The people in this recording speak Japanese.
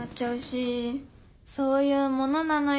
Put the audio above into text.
そういうものなのよ